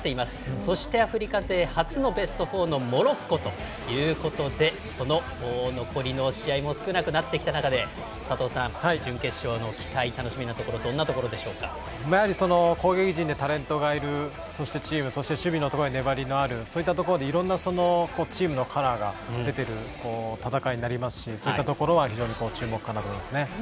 そしてアフリカ勢初のベスト４のモロッコということでこの残りの試合も少なくなってきた中で佐藤さん、準決勝の期待楽しみなところやはり攻撃陣でタレントがいるそしてチーム守備のところに粘りのあるそういったところでいろんなチームのカラーが出てる戦いになりますしそういったところは非常に注目かなと思いますね。